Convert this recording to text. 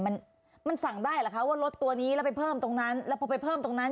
มันมันสั่งได้หรือคะว่ารถตัวนี้แล้วไปเพิ่มตรงนั้นแล้วพอไปเพิ่มตรงนั้น